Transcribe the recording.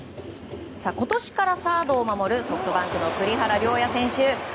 今年からサードを守るソフトバンクの栗原陵矢選手。